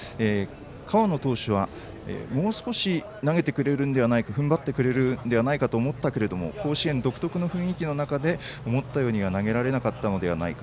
河野投手は、もう少し投げてくれるんではないか踏ん張ってくれるのではないかと思ったけれども甲子園独特の雰囲気の中で思ったようには投げられなかったのではないか。